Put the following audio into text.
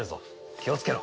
気をつけろ。